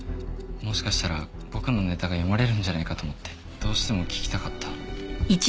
もしかしたら僕のネタが読まれるんじゃないかと思ってどうしても聴きたかった。